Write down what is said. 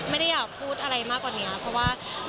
ไม่ได้อยากพูดอะไรมากกว่านี้